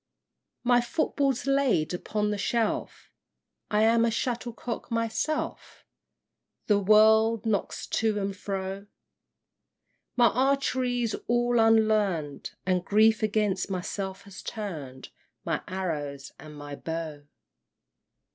VI. My football's laid upon the shelf; I am a shuttlecock myself The world knocks to and fro; My archery is all unlearn'd, And grief against myself has turn'd My arrows and my bow!